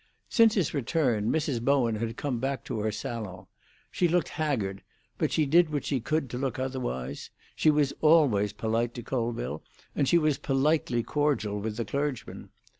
Since his return, Mrs. Bowen had come back to her salon. She looked haggard; but she did what she could to look otherwise. She was always polite to Colville, and she was politely cordial with the clergyman.